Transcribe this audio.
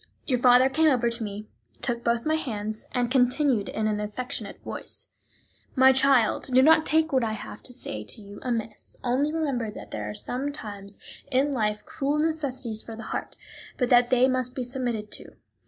Your father came over to me, took both my hands, and continued in an affectionate voice: "My child, do not take what I have to say to you amiss; only remember that there are sometimes in life cruel necessities for the heart, but that they must be submitted to.